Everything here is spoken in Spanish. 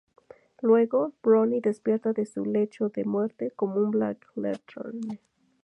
Luego, Ronnie despierta de su lecho de muerte como un Black Lantern.